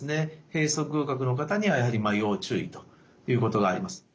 閉塞隅角の方にはやはり要注意ということがあります。